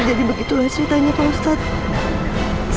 wah jadi begitulah ceritanya pak ustadz